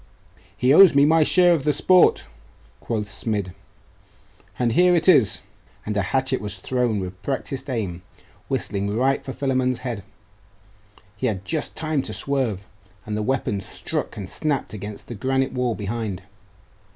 'He owes me my share of the sport,' quoth Smid. 'And here it is!' And a hatchet, thrown with practised aim, whistled right for Philammon's head he had just time to swerve, and the weapon struck and snapped against the granite wall behind.